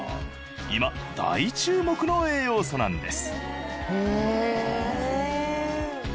今大注目の栄養素なんです